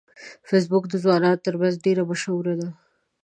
فېسبوک د ځوانانو ترمنځ ډیره مشهوره ده